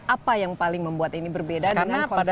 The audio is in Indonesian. apa yang paling membuat ini berbeda dengan konsep